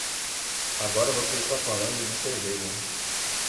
Agora você está falando de cerveja!